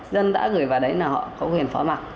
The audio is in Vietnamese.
dân đã gửi vào đấy là họ có quyền phó mặt